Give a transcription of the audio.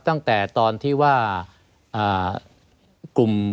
ตั้งแต่ตอนที่ว่ากลุ่ม